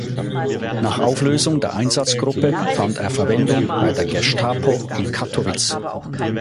Nach Auflösung der Einsatzgruppe fand er Verwendung bei der Gestapo in Kattowitz.